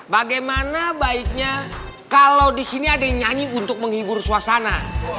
bagaimana baiknya kalau di sini ada yang nyanyi untuk menghibur suasana